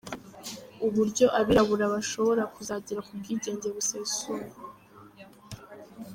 Uburyo abirabura bashobora kuzagera ku bwigenge busesuye.